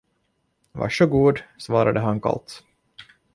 Var så god, svarade han kallt.